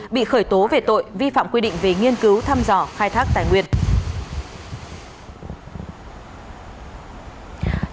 bị khởi tố về tội vi phạm quy định về nghiên cứu thăm dò khai thác tài nguyên